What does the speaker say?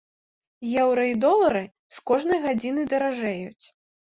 Еўра і долары з кожнай гадзінай даражэюць.